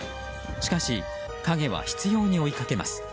しかし、影は執拗に追いかけます。